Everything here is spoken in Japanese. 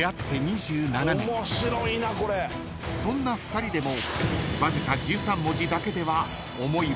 ［そんな２人でもわずか］